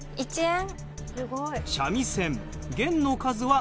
１円？